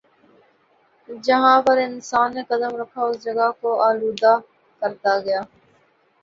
جہاں پر انسان نے قدم رکھا اس جگہ کو آلودہ کرتا گیا